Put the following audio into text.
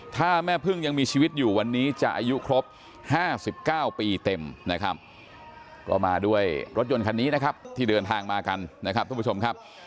ถ้าแม่พึ่งยังมีชีวิตอยู่วันนี้จะอายุครบ๕๙ปีเต็มนะครับก็มาด้วยรถยนต์คันนี้นะครับที่เดินทางมากันนะครับทุกผู้ชมครับ